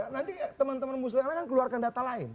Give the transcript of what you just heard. nanti teman teman musra kan keluarkan data lain